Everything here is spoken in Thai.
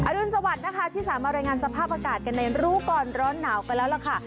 รุนสวัสดิ์นะคะที่สามารถรายงานสภาพอากาศกันในรู้ก่อนร้อนหนาวกันแล้วล่ะค่ะ